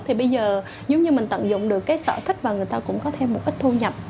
thì bây giờ nếu như mình tận dụng được cái sở thích và người ta cũng có thêm một cái thu nhập